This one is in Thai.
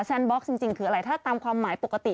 แซนบล็อกจริงคืออะไรถ้าตามความหมายปกติ